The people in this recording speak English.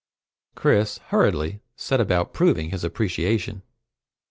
Chris hurriedly set about proving his appreciation.